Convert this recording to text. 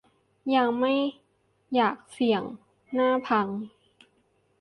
ถ้าไม่อยากเสี่ยงหน้าพัง